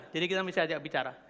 jadi kita mesti ajak bicara